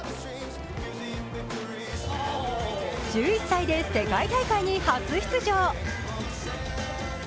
１１歳で世界大会に初出場。